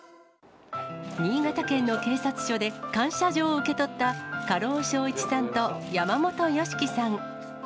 新潟県の警察署で、感謝状を受け取った、家老正一さんと山本良幾さん。